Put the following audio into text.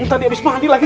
ntar dia abis mandi lagi